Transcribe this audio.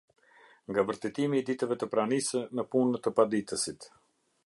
Nga vërtetimi i ditëve të pranisë në punë të paditësit.